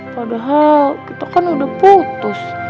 padahal kita kan udah putus